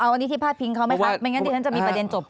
เอาอันนี้ที่พาดพิงเขาไหมครับ